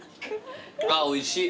あおいしい。